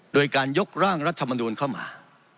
โดยการยกร่างรัฐมนูลเข้ามา